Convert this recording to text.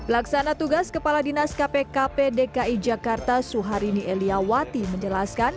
laksana tugas kepala dinas kpkp dki jakarta suharini eliawati menjelaskan